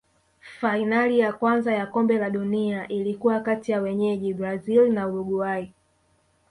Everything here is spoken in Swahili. fainali ya kwanza ya kombe la dunia ilikuwa kati ya wenyeji brazil na uruguay